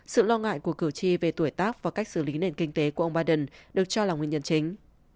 sự lo ngại của cử tri về tuổi tác và cách xử lý nền kinh tế của ông biden được cho là nguyên nhân chính